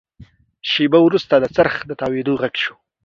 شېبه وروسته د څرخ د تاوېدو غږ شو.